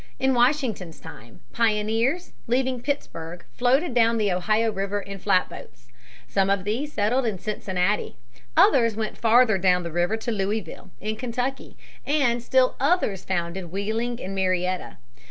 In Washington's time pioneers, leaving Pittsburg, floated down the Ohio River in flatboats. Some of these settled Cincinnati. Others went farther down the river to Louisville, in Kentucky, and still others founded Wheeling and Marietta.